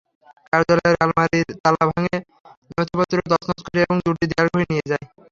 কার্যালয়ের আলমারির তালা ভেঙে নথিপত্র তছনছ করে এবং দুটি দেয়ালঘড়ি নিয়ে যায়।